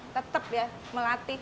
tetap ya melatih